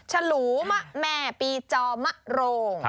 ฉลูมะแม่ปีจอมะโรง